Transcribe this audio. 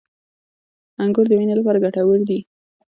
• انګور د وینې لپاره ګټور دي.